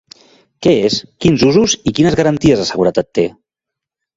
Què és, quins usos i quines garanties de seguretat té?